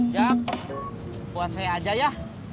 jak buat saya aja ya